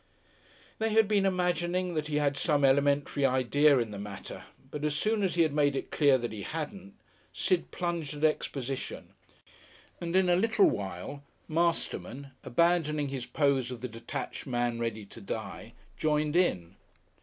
They had been imagining that he had some elementary idea in the matter, but as soon as he had made it clear that he hadn't, Sid plunged at exposition, and in a little while Masterman, abandoning his pose of the detached man ready to die, joined in.